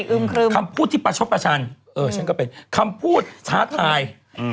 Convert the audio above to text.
คำพูดที่ประชดประชันเออฉันก็เป็นคำพูดท้าทายอืม